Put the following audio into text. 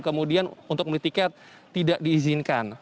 kemudian untuk membeli tiket tidak diizinkan